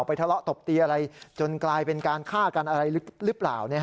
ทะเลาะตบตีอะไรจนกลายเป็นการฆ่ากันอะไรหรือเปล่า